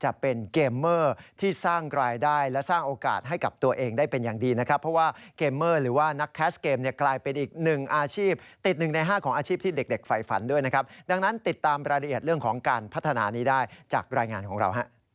บรรยายงานของเราฮะ